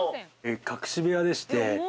隠し部屋でして。